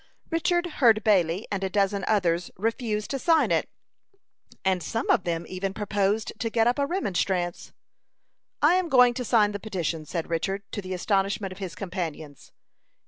Richard heard Bailey and a dozen others refuse to sign it, and some of them even proposed to get up a remonstrance. "I am going to sign the petition," said Richard, to the astonishment of his companions.